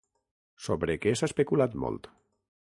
Sobre què s'ha especulat molt?